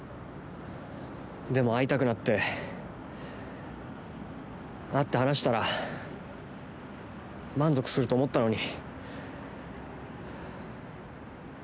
でも会いたくなって会って話したら満足すると思ったのに。